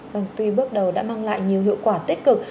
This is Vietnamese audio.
vâng tuy bước đầu đã mang lại nhiều hiệu quả tích cực